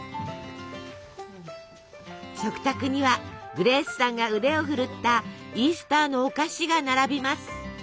食卓にはグレースさんが腕を振るったイースターのお菓子が並びます。